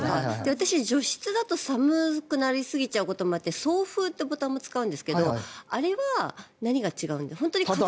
私、除湿だと寒くなりすぎちゃうこともあって送風ってボタンも使うんですけどあれは何が違うんですか？